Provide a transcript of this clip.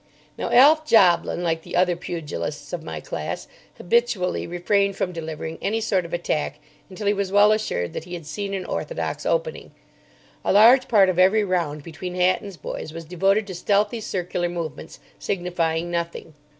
Now Alf Joblin, like the other pugilists of my class, habitually refrained from delivering any sort of attack until he was well assured that he had seen an orthodox opening. A large part of every round between Hatton's boys was devoted to stealthy circular movements, signifying nothing.